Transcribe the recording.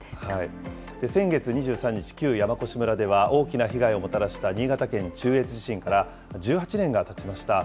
先月２３日、旧山越村では大きな被害をもたらした新潟県中越地震から１８年がたちました。